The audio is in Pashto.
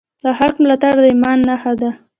د حق ملاتړ د ایمان نښه ده.